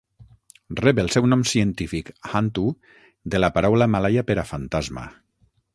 Rep el seu nom científic "hantu" de la paraula malaia per a fantasma.